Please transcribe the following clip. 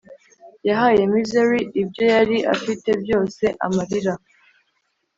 yahaye misery ibyo yari afite byose, amarira,